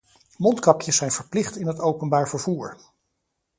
Mondkapjes zijn verplicht in het openbaar vervoer.